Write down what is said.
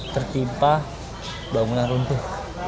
tertimpah bangunan runtuh